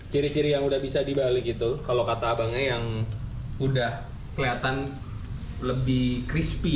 ciri ciri yang udah bisa dibalik itu kalau kata abangnya yang udah kelihatan lebih crispy